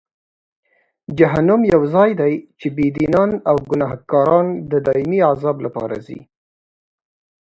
جهنم یو ځای دی چې بېدینان او ګناهکاران د دایمي عذاب لپاره ځي.